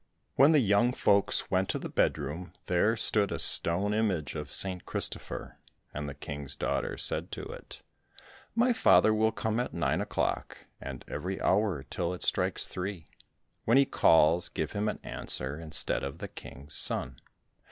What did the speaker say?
When the young folks went to the bed room there stood a stone image of St. Christopher, and the King's daughter said to it, "My father will come at nine o'clock, and every hour till it strikes three; when he calls, give him an answer instead of the King's son."